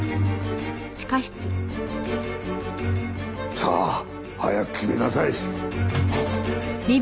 さあ早く決めなさい。